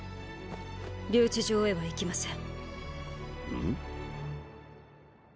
留置場へは行きません。？